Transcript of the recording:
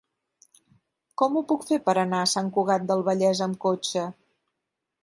Com ho puc fer per anar a Sant Cugat del Vallès amb cotxe?